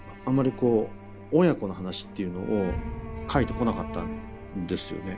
こう親子の話っていうのを書いてこなかったんですよね。